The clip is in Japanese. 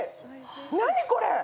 何これ？